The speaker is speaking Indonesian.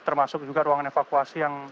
termasuk juga ruangan evakuasi yang